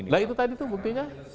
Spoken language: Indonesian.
nah itu tadi tuh buktinya